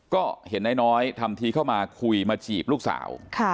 ก็เห็นนายน้อยทำทีเข้ามาคุยมาจีบลูกสาว